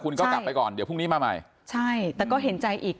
คุณก็กลับไปก่อนเดี๋ยวพรุ่งนี้มาใหม่ใช่แต่ก็เห็นใจอีก